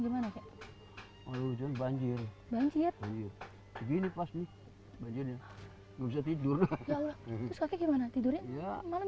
gimana kek hujan banjir banjir begini pas nih bajunya bisa tidur gimana tidurnya malam